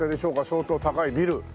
相当高いビル。